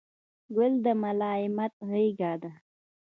ګل د ملایمت غېږه ده.